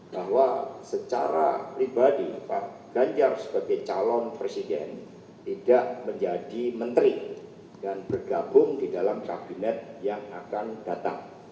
bahwa secara pribadi pak ganjar sebagai calon presiden tidak menjadi menteri dan bergabung di dalam kabinet yang akan datang